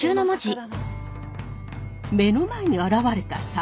目の前に現れた坂。